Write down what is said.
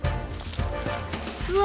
うわ！